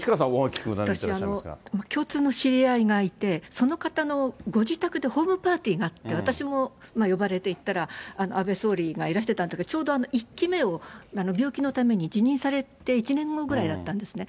私、共通の知り合いがいて、その方のご自宅でホームパーティーがあって、私も呼ばれて行ったら、安倍総理がいらしてたんですけど、ちょうど１期目を病気のために辞任されて１年後ぐらいだったんですね。